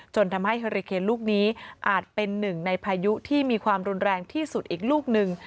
ทำให้เฮอริเคนลูกนี้อาจเป็นหนึ่งในพายุที่มีความรุนแรงที่สุดอีกลูกหนึ่ง